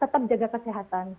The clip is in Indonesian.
tetap jaga kesehatan